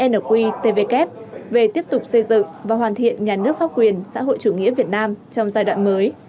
nqtvk về tiếp tục xây dựng và hoàn thiện nhà nước pháp quyền xã hội chủ nghĩa việt nam trong giai đoạn mới